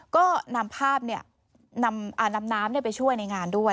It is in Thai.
ก็นำภาพนำน้ำไปช่วยในงานด้วย